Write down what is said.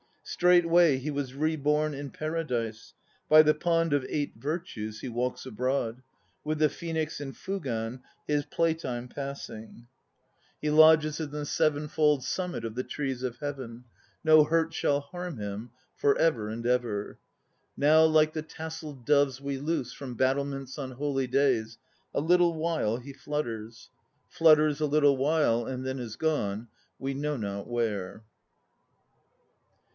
Straightway he was reborn in Paradise. By the pond of Eight Virtues he walks abroad: With the Phoenix and Fugan his playtime passing. 1 Turn it into a 206 THE NO PLAYS OF JAPAN He lodges in the sevenfold summit of the trees of Heaven. No hurt shall harm him For ever and ever. Now like the tasselled doves we loose From battlements on holy days A little while he flutters; Flutters a little while and then is gone We know not where.